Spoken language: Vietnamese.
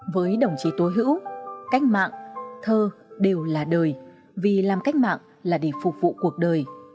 với đồng chí tố hữu cách mạng thơ đều là đời vì làm cách mạng là để phục vụ cuộc đời